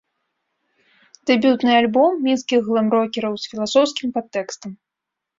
Дэбютны альбом мінскіх глэм-рокераў з філасофскім падтэкстам.